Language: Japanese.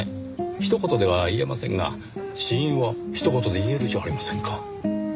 一言では言えませんが死因は一言で言えるじゃありませんか。